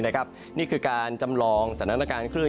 นี่คือการจำลองสถานการณ์คลื่น